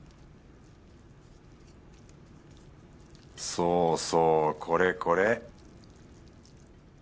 そうそうこれこれ